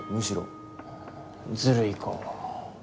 ずるいか。